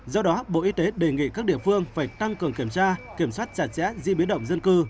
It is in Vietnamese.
do đó bộ y tế đề nghị các địa phương phải tăng cường kiểm tra kiểm soát chặt chẽ di biến động dân cư